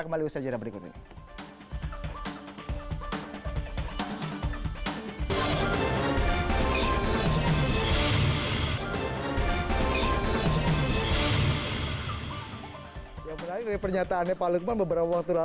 bentar bentar pak ketua